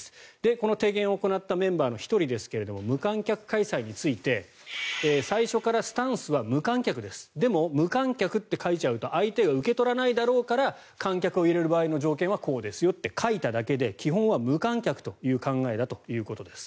この提言を行ったメンバーの１人ですが無観客開催について最初からスタンスは無観客ですでも、無観客って書いちゃうと相手が受け入れないだろうから観客を入れる場合の条件はこうですよって書いただけで基本は無観客という考え方だということです。